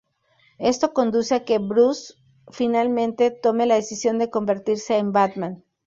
Esto conduce a que Bruce finalmente tome la decisión de convertirse en Batman.